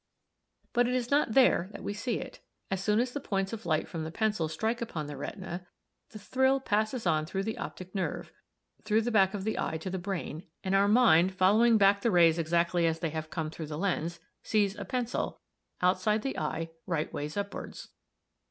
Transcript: "But it is not there that we see it. As soon as the points of light from the pencil strike upon the retina, the thrill passes on along the optic nerve on, through the back of the eye to the brain; and our mind, following back the rays exactly as they have come through the lens, sees a pencil, outside the eye, right way upwards.